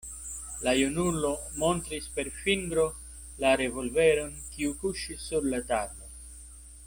La junulo montris per fingro la revolveron, kiu kuŝis sur la tablo.